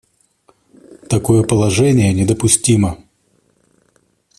Такое положение недопустимо.